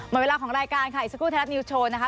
หมดเวลาของรายการค่ะอีกสักครู่ไทยรัฐนิวส์โชว์นะคะ